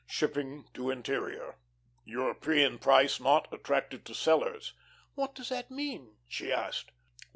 Shipping to interior. European price not attractive to sellers.'" "What does that mean?" she asked.